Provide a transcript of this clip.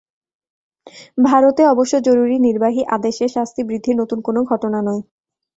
ভারতে অবশ্য জরুরি নির্বাহী আদেশে শাস্তি বৃদ্ধি নতুন কোনো ঘটনা নয়।